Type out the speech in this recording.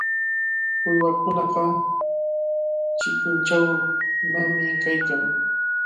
Uywakunaqa chikunchawnami kaykan.